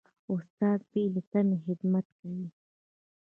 استاد بې له تمې خدمت کوي.